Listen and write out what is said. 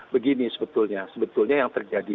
begini sebetulnya sebetulnya yang terjadi